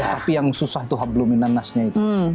tapi yang susah tuh habluminanasnya itu